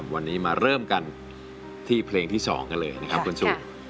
วันนี้มาเริ่มกันที่เพลงที่๒กันเลยนะครับคุณสู่